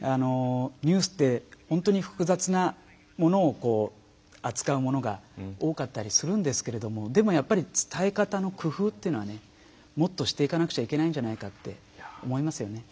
ニュースって本当に複雑なものを扱うものが多かったりするんですけれどもでもやっぱり伝え方の工夫というのはもっとしていかなくちゃいけないんじゃないかって思いますね。